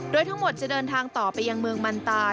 โดยทั้งหมดจะเดินทางต่อไปยังเมืองมันตา